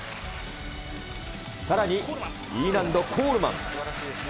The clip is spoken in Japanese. さらにＥ難度コールマン。